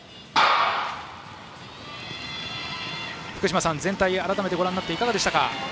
福島さん、全体をご覧になっていかがでしたか？